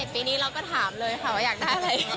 ใช่ปีนี้เราก็ถามเลยค่ะว่าอยากได้อะไร